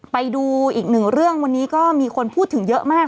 ไปดูอีกหนึ่งเรื่องวันนี้ก็มีคนพูดถึงเยอะมาก